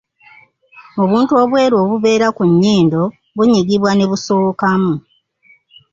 Obuntu obweru obubeera ku nnyindo bunyigibwa ne busowokamu.